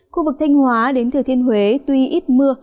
khu vực thanh hóa đến thừa thiên huế tuy ít mưa